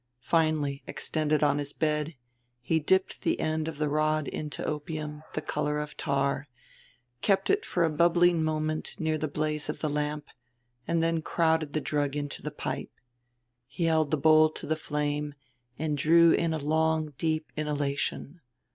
Finally, extended on his bed, he dipped the end of the rod into opium the color of tar, kept it for a bubbling moment near the blaze of the lamp, and then crowded the drug into the pipe. He held the bowl to the flame and drew in a long deep inhalation.